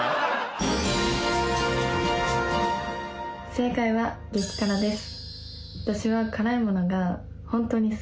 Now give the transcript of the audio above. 正解は激辛です